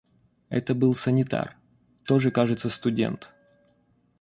Это был санитар, тоже, кажется, студент.